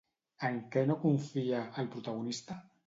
En què no confia, el protagonista?